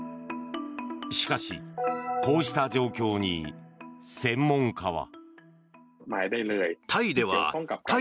しかし、こうした状況に専門家は。